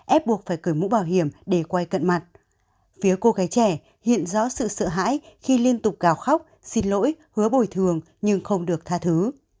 ép buộc phải cởi mũ bảo hiểm để quay cận mặt phía cô gái trẻ hiện rõ sự sợ hãi khi liên tục gào khóc xin lỗi hứa bồi thường nhưng không được tha thứ